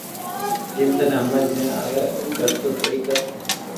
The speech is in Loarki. جيم ٿني ھمج مي آوي ڪر تو سھي ڪر